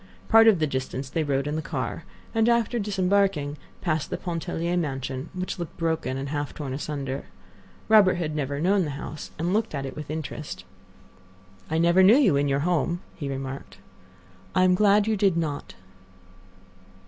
Part of the distance they rode in the car, and after disembarking, passed the Pontellier mansion, which looked broken and half torn asunder. Robert had never known the house, and looked at it with interest. "I never knew you in your home," he remarked. "I am glad you did not."